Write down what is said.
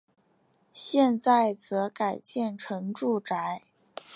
现在则改建成住宅。